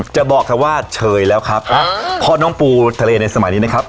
บอกแค่ว่าเฉยแล้วครับเพราะน้องปูทะเลในสมัยนี้นะครับ